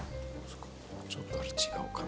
ちょっと違うかな？